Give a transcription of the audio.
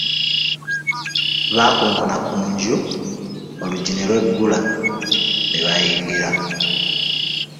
Baakoonkona ku nju, oluggi n'elweggula, ne bayingira.